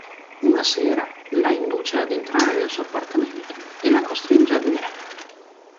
Una sera la induce ad entrare nel suo appartamento e la costringe a bere.